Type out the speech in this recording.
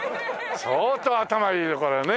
相当頭いいよこれね。